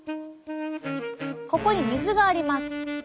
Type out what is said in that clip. ここに水があります。